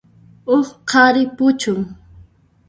Huk qhari puchun.